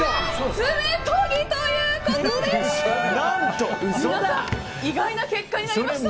爪とぎということでした。